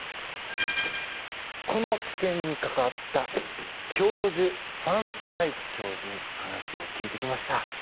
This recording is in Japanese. この治験に関わった教授ファン・ダイク教授に話を聞いてきました。